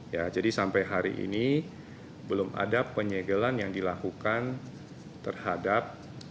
ya jadi sampai hari ini belum ada penyegelan yang dilakukan terhadap